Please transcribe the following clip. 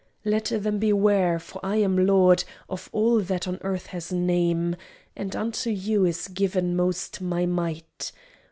"Let them beware, for I am lord Of all that on earth has name, And unto you is given most my might.